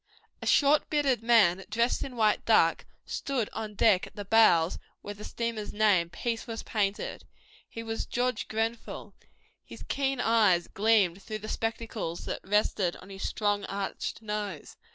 A short, bearded man, dressed in white duck, stood on deck at the bows, where the steamer's name, Peace, was painted. He was George Grenfell. His keen eyes gleamed through the spectacles that rested on his strong, arched nose.